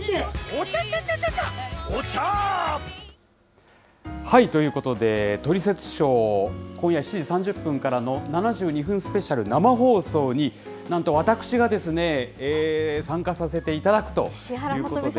お茶ちゃちゃちゃ、ということで、トリセツショー、今夜７時３０分からの７２分スペシャル、生放送に、なんと私がですね、参加させていただくということで。